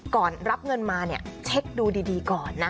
ก่อนรับเงินมาเช็คดูดีก่อนนะ